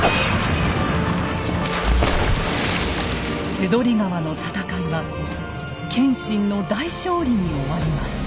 手取川の戦いは謙信の大勝利に終わります。